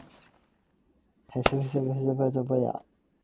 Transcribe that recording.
輕輕鬆鬆喺屋企都可以嘆世界